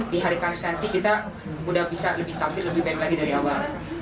di hari kamis nanti kita udah bisa lebih tampil lebih baik lagi dari awal